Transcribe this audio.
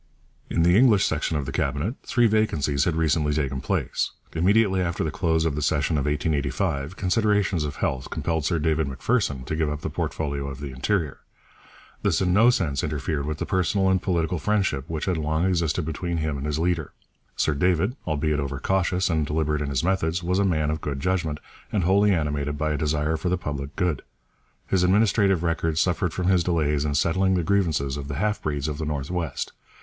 In the English section of the Cabinet three vacancies had recently taken place. Immediately after the close of the session of 1885 considerations of health compelled Sir David Macpherson to give up the portfolio of the Interior. This in no sense interfered with the personal and political friendship which had long existed between him and his leader. Sir David, albeit over cautious and deliberate in his methods, was a man of good judgment, and wholly animated by a desire for the public good. His administrative record suffered from his delays in settling the grievances of the half breeds of the North West.